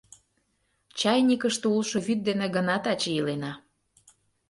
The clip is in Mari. Чайникыште улшо вӱд дене гына таче илена...